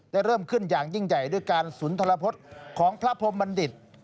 เริ่มขึ้นอย่างยิ่งใหญ่ด้วยการสุนทรพฤษของพระพรมบัณฑิต